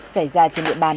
xảy ra trên miệng bàn